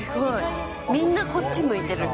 みんなこっち向いてる。